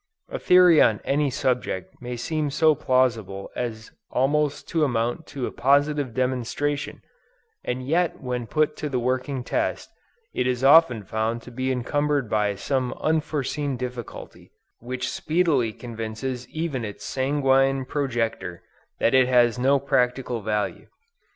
A theory on any subject may seem so plausible as almost to amount to a positive demonstration, and yet when put to the working test, it is often found to be encumbered by some unforeseen difficulty, which speedily convinces even its sanguine projector, that it has no practical value.